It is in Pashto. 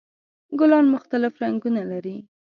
ګلان مختلف رنګونه لري.